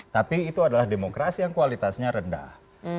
tapi itu adalah demokrasi yang kualitasnya rendah